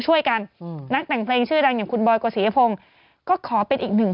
ช่วยกันอืมนักแต่งเพลงชื่อดังอย่างคุณบอยกศียพงศ์ก็ขอเป็นอีกหนึ่ง